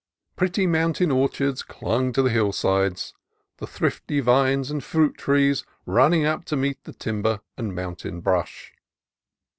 Pretty mountain orchards clung to the hillsides, the thrifty vines and fruit trees running up to meet the timber and moun tain brush.